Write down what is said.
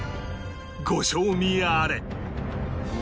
ご賞味あれ！